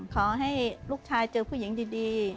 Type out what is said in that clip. ขอให้ลูกชายเจอผู้หญิงดี